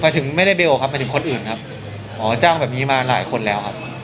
ถึงไม่ได้เบลครับหมายถึงคนอื่นครับหมอจ้างแบบนี้มาหลายคนแล้วครับ